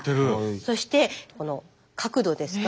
そしてこの角度ですが。